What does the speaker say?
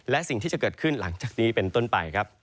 และสิ่งที่จะเกิดขึ้นหลังจากนี้เป็นต้นไปครับ